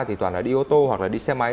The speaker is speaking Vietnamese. thì toàn là đi ô tô hoặc là đi xe máy